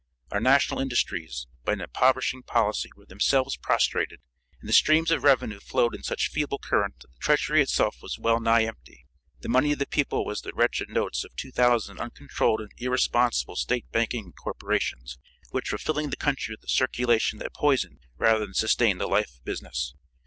Our national industries, by an impoverishing policy, were themselves prostrated, and the streams of revenue flowed in such feeble currents that the treasury itself was well nigh empty. The money of the people was the wretched notes of two thousand uncontrolled and irresponsible State banking corporations, which were filling the country with a circulation that poisoned rather than sustained the life of business.